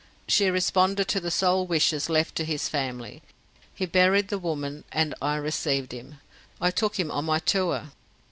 She responded to the sole wishes left to his family. He buried the woman, and I received him. I took him on my tour.